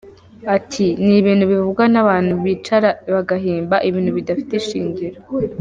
Ati “Ni ibintu bivugwa n’abantu bicara bagahimba ibintu bidafite ishingiro.